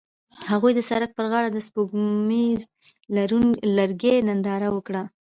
هغوی د سړک پر غاړه د سپوږمیز لرګی ننداره وکړه.